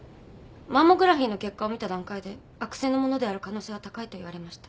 マンモグラフィの結果を診た段階で「悪性のものである可能性は高い」と言われました。